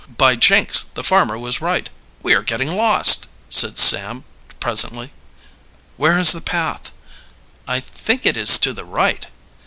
"By jinks! the farmer was right we are getting lost!" said Sam presently. "Where is the path?" "I think it is to the right."